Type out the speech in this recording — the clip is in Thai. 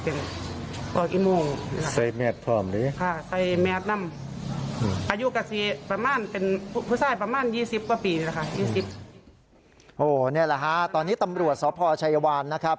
นี่แหละฮะตอนนี้ตำรวจสพชัยวานนะครับ